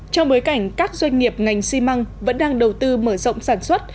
trong bối cảnh các doanh nghiệp ngành xi măng vẫn đang đầu tư mở rộng sản xuất